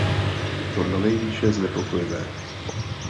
Je to nanejvýše znepokojivé.